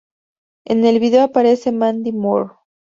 En el vídeo aparece Mandy Moore.